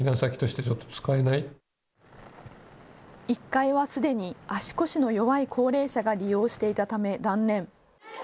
１階はすでに足腰の弱い高齢者が利用していたため断念。